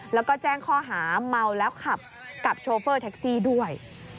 แล้วก็แจ้งข้อหาเมาแล้วขับกับโชเฟอร์แท็กซี่ด้วย